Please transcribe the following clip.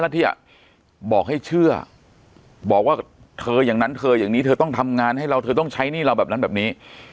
เธออย่างนี้เธอต้องทำงานให้เราเธอต้องใช้หนี้เราแบบนั้นแบบนี้